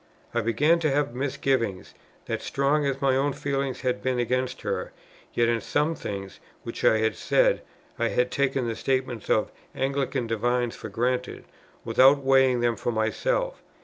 I began to have misgivings, that, strong as my own feelings had been against her, yet in some things which I had said, I had taken the statements of Anglican divines for granted without weighing them for myself.